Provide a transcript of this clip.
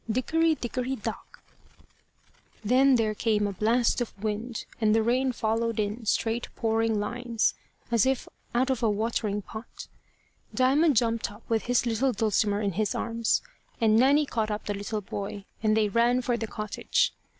Dickery, dickery, dock! Then there came a blast of wind, and the rain followed in straight pouring lines, as if out of a watering pot. Diamond jumped up with his little Dulcimer in his arms, and Nanny caught up the little boy, and they ran for the cottage.